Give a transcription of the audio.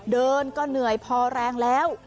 เดินก็เหนื่อยพอแรงแล้ว